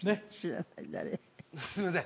すいません